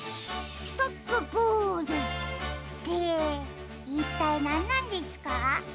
ストップボール？っていったいなんなんですか？